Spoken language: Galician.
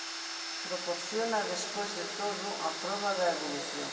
Proporciona despois de todo a proba da evolución.